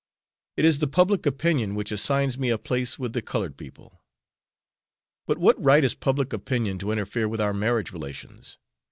"It is the public opinion which assigns me a place with the colored people." "But what right has public opinion to interfere with our marriage relations?